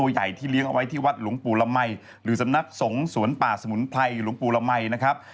หรือสำนักส่งสวนป่าสมุนไพรหลวงปูระมัยนะครับ